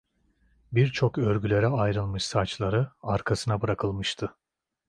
Birçok örgülere ayrılmış saçları arkasına bırakılmıştı.